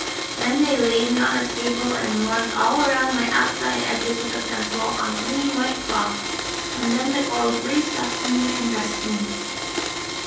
Then they laid me on a table and marked all around my outside edges with a pencil on clean white cloth, and then the girls re stuffed me and dressed me.